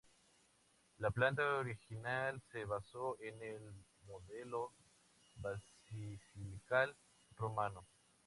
La planta original se basó en el modelo basilical romano.